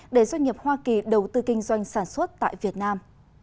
để doanh nghiệp hoa kỳ đầu tư kinh doanh sản xuất tại việt nam